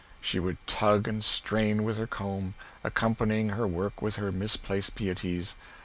She would tug and strain with her comb, accompanying her work with her misplaced pieties.